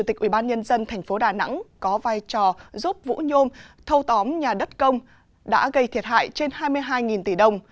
thành phố đà nẵng có vai trò giúp vũ nhôm thâu tóm nhà đất công đã gây thiệt hại trên hai mươi hai tỷ đồng